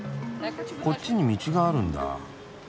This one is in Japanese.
こっちに道があるんだ。